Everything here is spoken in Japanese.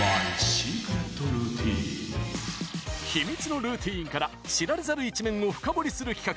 秘密のルーティンから知られざる一面を深堀りする企画。